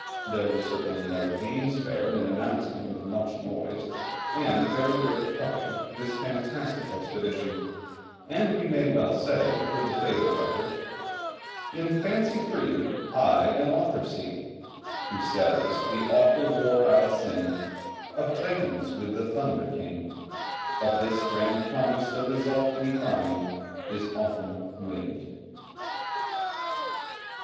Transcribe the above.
There was certainly no pains spared in announcing with much noise, and very great puffing, this fantastic expedition, and we may well say with the fable writer, "In fancy free I an author see, Who says, 'The awful war I'll sing Of Titans with the Thunder King:' Of this grand promise the result, we find, Is often wind."